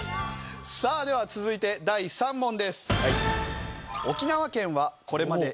さあでは続いて第３問です。